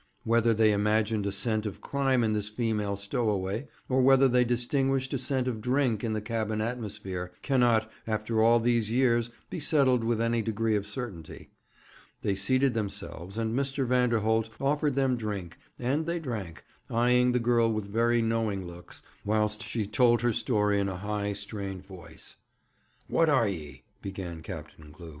Whether they imagined a scent of crime in this female stowaway, or whether they distinguished a scent of drink in the cabin atmosphere, cannot, after all these years, be settled with any degree of certainty. They seated themselves, and Mr. Vanderholt offered them drink, and they drank, eyeing the girl with very knowing looks, whilst she told her story in a high, strained voice. 'What are ye?' began Captain Glew.